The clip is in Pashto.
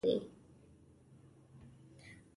ځمکه به ګروي، پور به اخلي، په سود به پیسې راولي.